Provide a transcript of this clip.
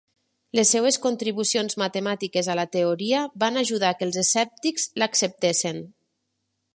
Les seves contribucions matemàtiques a la teoria van ajudar que els escèptics l'acceptessin.